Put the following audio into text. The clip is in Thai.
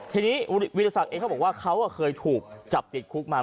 ทีนี้วิทยาศักดิ์เองเขาบอกว่าเขาเคยถูกจับติดคุกมา